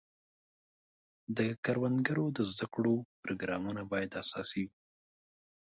د کروندګرو د زده کړو پروګرامونه باید اساسي وي.